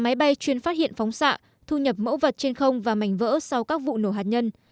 máy bay chuyên phát hiện phóng xạ thu nhập mẫu vật trên không và mảnh vỡ sau các vụ nổ hạt nhân